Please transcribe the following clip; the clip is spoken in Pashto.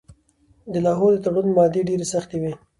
د لاهور د تړون مادې ډیرې سختې وې.